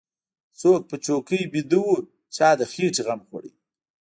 څوک په چوکۍ ويده و چا د خېټې غم خوړ.